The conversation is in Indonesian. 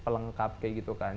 pelengkap kayak gitu kan